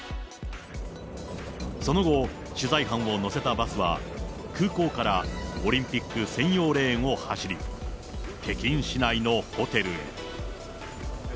その後、取材班を乗せたバスは、空港からオリンピック専用レーンを走り、北京市内のホテルへ。